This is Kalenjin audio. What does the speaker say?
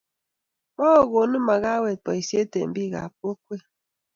Mogugonu makawet boisie eng bikab kokwe.